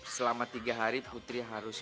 selama tiga hari putri harus